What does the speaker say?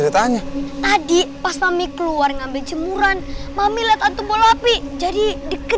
tadi pas mami keluar ngambil cemuran mami anak